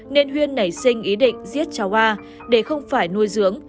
nên huyên nảy sinh ý định giết cháu a để không phải nuôi dưỡng